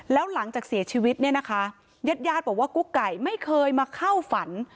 แล้วหลังจากเสียชีวิตเนี่ยนะคะญาติญาติบอกว่ากุ๊กไก่ไม่เคยมาเข้าฝัน